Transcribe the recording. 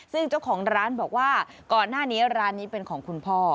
ซึ่งเจ้าของร้านบอกว่าก่อนหน้านี้ร้านนี้เป็นของคุณพ่อ